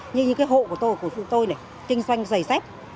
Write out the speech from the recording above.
như như cái hộ của tôi của chúng tôi này kinh doanh giày xép